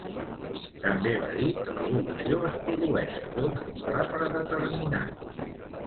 També va dir que l'evolució es produeix segons un pla predeterminat.